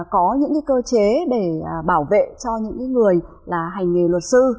có những cái cơ chế để bảo vệ cho những người là hành nghề luật sư